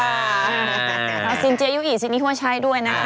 อาซินเจยุอีซีนที่หัวชายด้วยนะค่ะ